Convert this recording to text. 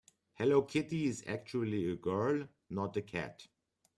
Hello Kitty is actually a girl, not a cat.